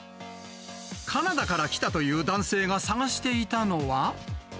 カナダから来たという男性が探していたのは。